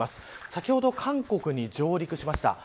先ほど、韓国に上陸しました。